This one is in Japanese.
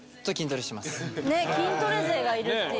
筋トレ勢がいるっていう。